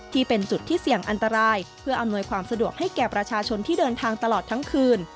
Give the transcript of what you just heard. ที่เป็นจุดที่เสี่ยงอันตรายเพื่ออำนวยความสะดวกให้แก่ประชาชนที่เดินทางตลอดทั้งคืน